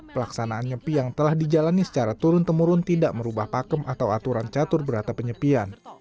pelaksanaan nyepi yang telah dijalani secara turun temurun tidak merubah pakem atau aturan catur berata penyepian